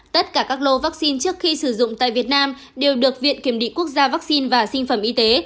tất cả các lô vaccine trước khi sử dụng tại việt nam đều được viện kiểm định quốc gia vaccine và sinh phẩm y tế